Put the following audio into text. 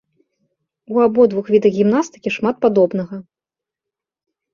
У абодвух відах гімнастыкі шмат падобнага.